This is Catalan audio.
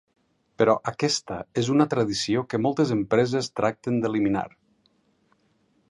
Però, aquesta és una tradició que moltes empreses tracten d'eliminar.